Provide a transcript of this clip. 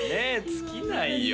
尽きないよ